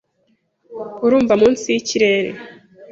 Urumva munsi yikirere?